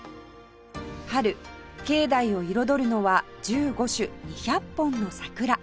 春境内を彩るのは１５種２００本の桜